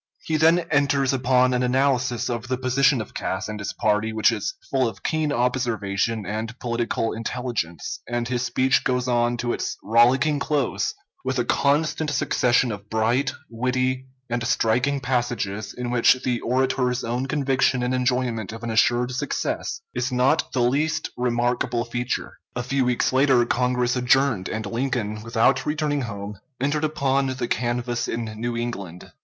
He then enters upon an analysis of the position of Cass and his party which is full of keen observation and political intelligence, and his speech goes on to its rollicking close with a constant succession of bright, witty, and striking passages in which the orator's own conviction and enjoyment of an assured success is not the least remarkable feature. A few weeks later Congress adjourned, and Lincoln, without returning home, entered upon the canvass in New England, [Transcriber's Note: Lengthy footnote (4) relocated to chapter end.